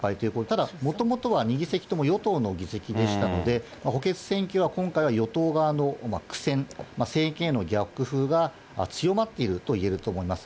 ただ、もともとは２議席とも与党の議席でしたので、補欠選挙は今回は与党側の苦戦、政権への逆風が強まっているといえると思います。